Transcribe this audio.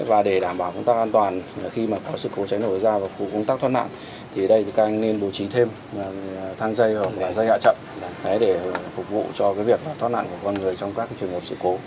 và để đảm bảo công tác an toàn khi mà có sự khố cháy nổi ra vào khu công tác thoát nạn thì đây thì các anh nên bố trí thêm thang dây và dây hạ chậm để phục vụ cho cái việc thoát nạn của con người trong các trường hợp sự khố